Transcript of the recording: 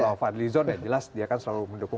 kalau van lizon ya jelas dia kan selalu mendukung